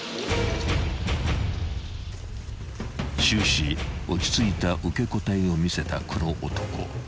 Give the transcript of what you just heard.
［終始落ち着いた受け答えを見せたこの男］